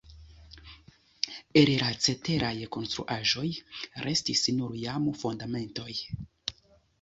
El la ceteraj konstruaĵoj restis nur jam fundamentoj.